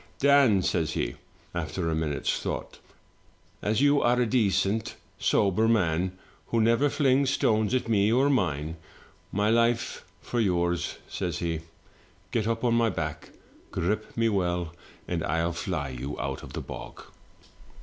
" 'Dan,' says he, after a minute's thought, 'as you are a decent sober man, who never flings stones at me or mine, my life for yours,' says he; 'get up on my back, grip me well, and I'll fly you out of the bog.'